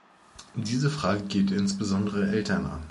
Diese Frage geht insbesondere Eltern an.